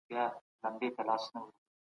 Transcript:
موږ باید ویښ سو.